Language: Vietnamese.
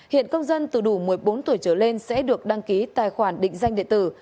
hiện công dân từ đủ một mươi bốn tuổi trở lên sẽ được đăng ký tài khoản định danh địa tử